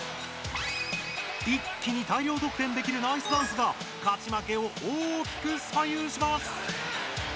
一気に大量得点できるナイスダンスが勝ち負けを大きく左右します！